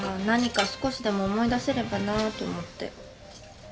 何か少しでも思い出せればなぁと思って。